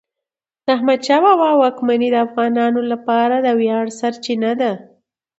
د احمدشاه بابا واکمني د افغانانو لپاره د ویاړ سرچینه ده.